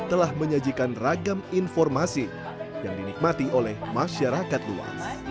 telah menyajikan ragam informasi yang dinikmati oleh masyarakat luas